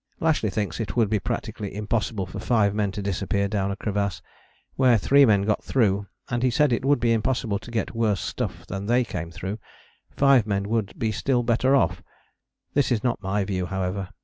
"Lashly thinks it would be practically impossible for five men to disappear down a crevasse. Where three men got through (and he said it would be impossible to get worse stuff than they came through), five men would be still better off. This is not my view, however.